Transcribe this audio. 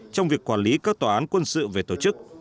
trong việc quản lý các tòa án quân sự về tổ chức